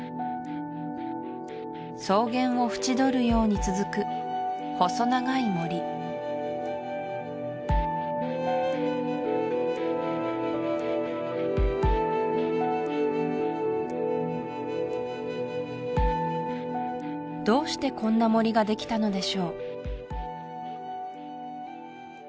草原を縁取るように続く細長い森どうしてこんな森ができたのでしょう？